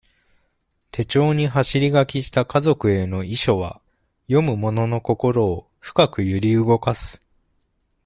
手帳に走り書きした家族への遺書は、読む者の心を、深く揺り動かす。